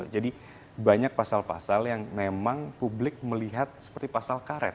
jadi banyak pasal pasal yang memang publik melihat seperti pasal karet